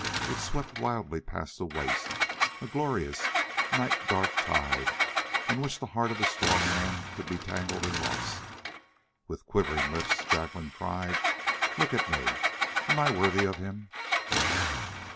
It swept wildly past the waist, a glorious, night dark tide in which the heart of a strong man could be tangled and lost. With quivering lips Jacqueline cried: "Look at me! Am I worthy of him?"